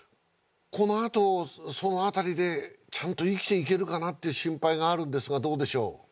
このあとその辺りでちゃんと生きていけるかなって心配があるんですがどうでしょう